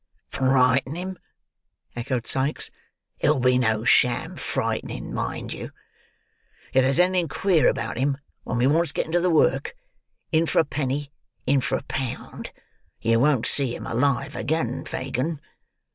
"Frighten him!" echoed Sikes. "It'll be no sham frightening, mind you. If there's anything queer about him when we once get into the work; in for a penny, in for a pound. You won't see him alive again, Fagin.